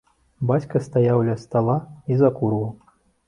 Бацька стаяў ля стала і закурваў.